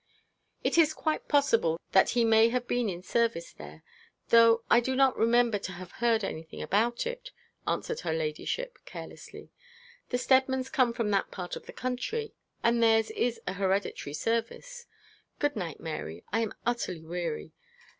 'It is quite possible that he may have been in service there, though I do not remember to have heard anything about it,' answered her ladyship, carelessly. 'The Steadmans come from that part of the country, and theirs is a hereditary service. Good night, Mary, I am utterly weary.